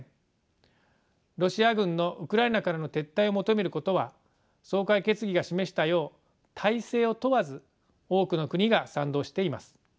ロシア軍のウクライナからの撤退を求めることは総会決議が示したよう体制を問わず多くの国が賛同しています。